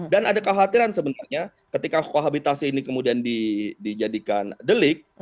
dan ada kekhawatiran sebenarnya ketika kohabitasi ini kemudian dijadikan delik